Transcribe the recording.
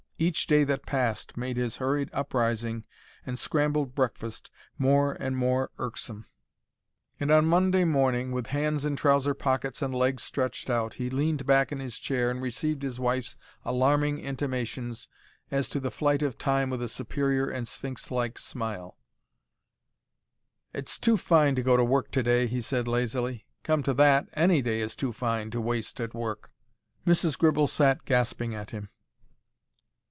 Each day that passed made his hurried uprising and scrambled breakfast more and more irksome; and on Monday morning, with hands in trouser pockets and legs stretched out, he leaned back in his chair and received his wife's alarming intimations as to the flight of time with a superior and sphinx like smile. "It's too fine to go to work to day," he said, lazily. "Come to that, any day is too fine to waste at work." Mrs. Gribble sat gasping at him.